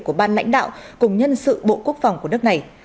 của ban lãnh đạo cùng nhân sự bộ quốc phòng của nước này